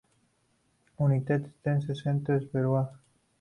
United States Census Bureau.